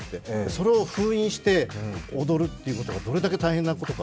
それを封印して踊るということがどれだけ大変なことか。